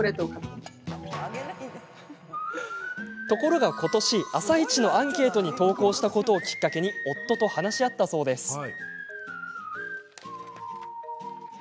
ところが、ことし「あさイチ」のアンケートに投稿したことをきっかけに夫と話し合ったそうです。